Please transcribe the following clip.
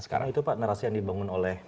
sekarang itu pak narasi yang dibangun oleh